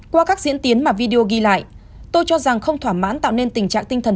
qua các diễn tiến mà video ghi lại tôi cho rằng không thỏa mãn tạo nên tình trạng tinh thần